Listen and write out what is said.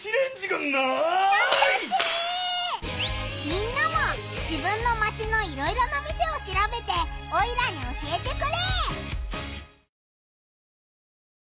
みんなも自分のマチのいろいろな店をしらべてオイラに教えてくれ！